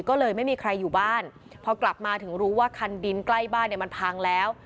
ก็เลยไม่มีใครอยู่บ้านพอกลับมาถึงรู้ว่าคันดินใกล้บ้านเนี่ยมันพังแล้ว